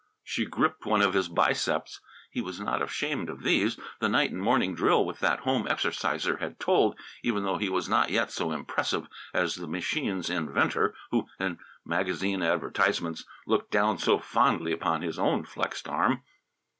She gripped one of his biceps. He was not ashamed of these. The night and morning drill with that home exerciser had told, even though he was not yet so impressive as the machine's inventor, who, in magazine advertisements, looked down so fondly upon his own flexed arm.